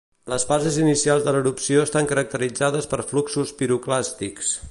Les fases inicials de l'erupció estan caracteritzades per fluxos piroclàstics.